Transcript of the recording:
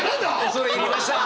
恐れ入りました！